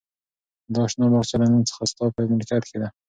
دا شنه باغچه له نن څخه ستا په ملکیت کې ده.